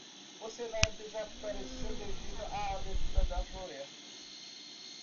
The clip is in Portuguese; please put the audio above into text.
O cenário desapareceu devido à abertura da floresta